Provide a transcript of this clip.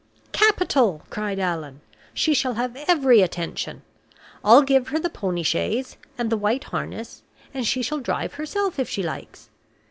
"Capital!" cried Allan. "She shall have every attention. I'll give her the pony chaise and the white harness, and she shall drive herself, if she likes."